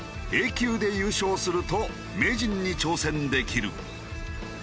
級で優勝すると名人に挑戦できる。